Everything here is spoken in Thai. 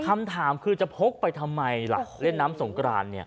คำถามคือจะพกไปทำไมล่ะเล่นน้ำสงกรานเนี่ย